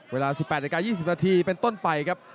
เวลา๑๘นาทีเป็นต้นไปครับ